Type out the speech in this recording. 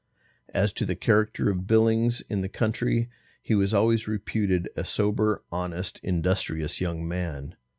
As to the character of Billings in the country he was always reputed a sober, honest, industrious young man.